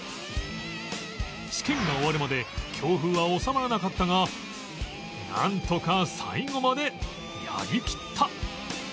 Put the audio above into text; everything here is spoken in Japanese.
試験が終わるまで強風は収まらなかったがなんとか最後までやりきった！